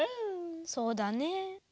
そうだね。